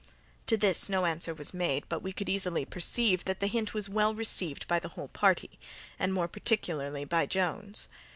To this no answer was made, but we could easily perceive that the hint was well received by the whole party, and more particularly by Jones.